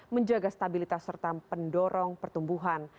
menjaga stabilitas serta pendorong pertumbuhan